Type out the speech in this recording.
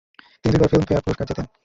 তিনি দুইবার ফিল্মফেয়ার পুরস্কার জেতেন।